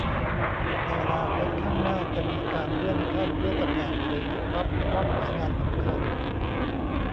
ในอนาคตข้างหน้าจะมีการเลื่อนขั้นเลื่อนตำแหน่งหรือรับมอบหมายงานสำคัญ